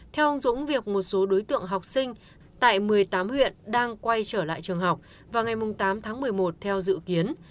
theo ông dũng việc một số đối tượng học sinh tại một mươi tám huyện đang quay trở lại trường học vào ngày tám tháng một mươi một theo dự kiến